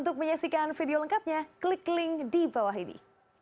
untuk menyaksikan video lengkapnya klik link di bawah ini